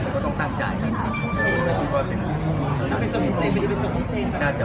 ก็เป็นอย่างที่เห็นในคลิปวีดีโอ